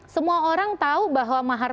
semua orang tahu bahwa mahar